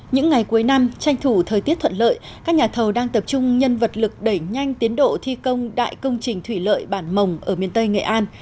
những ngày cuối năm tranh thủ thời tiết thuận lợi các nhà thầu đang tập trung nhân vật lực đẩy nhanh tiến độ thi công đại công trình thủy lợi bản mồng ở miền tây nghệ an